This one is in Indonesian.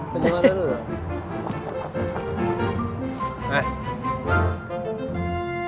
kejam mata dulu dong